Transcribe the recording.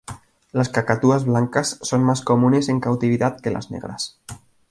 Las cacatúas blancas son más comunes en cautividad que las negras.